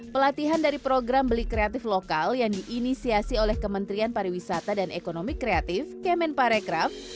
pelatihan dari program beli kreatif lokal yang diinisiasi oleh kementerian pariwisata dan ekonomi kreatif kemen parekraf